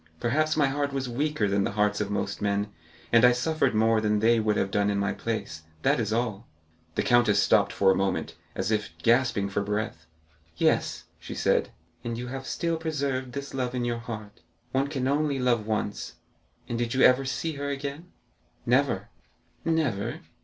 Perhaps my heart was weaker than the hearts of most men, and I suffered more than they would have done in my place; that is all." The countess stopped for a moment, as if gasping for breath. "Yes," she said, "and you have still preserved this love in your heart—one can only love once—and did you ever see her again?" 30309m "Never." "Never?"